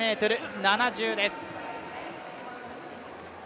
２１ｍ７０です。